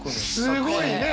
すごいね。